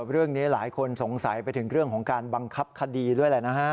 เรื่องนี้หลายคนสงสัยไปถึงเรื่องของการบังคับคดีด้วยแหละนะฮะ